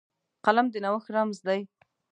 قلم د نوښت رمز دی